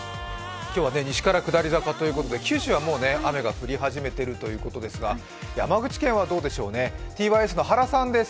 今日は西から下り坂ということで九州はもう雨が降り始めているということですが山口県はどうでしょうね、ｔｙｓの原さんです。